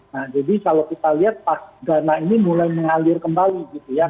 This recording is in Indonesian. nah jadi kalau kita lihat pas dana ini mulai mengalir kembali gitu ya